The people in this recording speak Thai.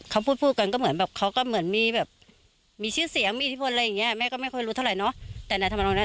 เขาพูดกันก็เหมือนมีชื่อเสียงมีอิทธิพลอะไรอย่างนี้แม่ก็ไม่ค่อยรู้เท่าไหร่เนอะ